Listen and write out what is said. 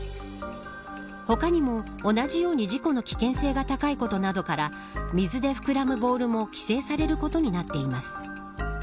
他にも同じように事故の危険性が高いことなどから水で膨らむボールも規制されることになっています。